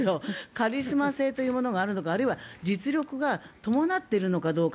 カリスマ性というものがあるのかあるいは実力が伴っているのかどうか。